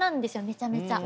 めちゃめちゃ。